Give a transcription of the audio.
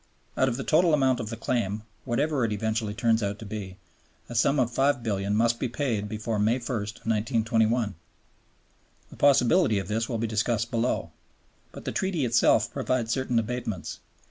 Out of the total amount of the claim, whatever it eventually turns out to be, a sum of $5,000,000,000 must be paid before May 1, 1921. The possibility of this will be discussed below. But the Treaty itself provides certain abatements.